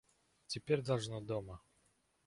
Теперь должно дома.